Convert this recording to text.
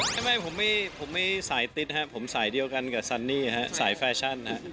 ใช่มั้ยผมไม่สายติ๊ดฮะผมสายเดียวกันกับซันนี่ฮะสายแฟชั่นฮะ